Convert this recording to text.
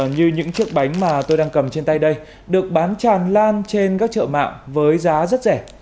như những chiếc bánh mà tôi đang cầm trên tay đây được bán tràn lan trên các chợ mạng với giá rất rẻ